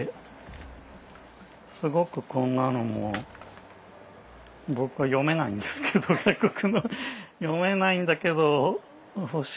すごくこんなのも僕は読めないんですけど外国語読めないんだけど欲しくて。